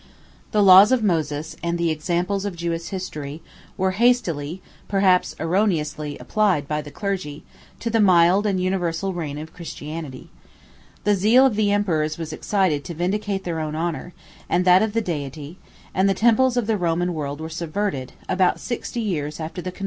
The laws of Moses, and the examples of Jewish history, 1 were hastily, perhaps erroneously, applied, by the clergy, to the mild and universal reign of Christianity. 2 The zeal of the emperors was excited to vindicate their own honor, and that of the Deity: and the temples of the Roman world were subverted, about sixty years after the conversion of Constantine.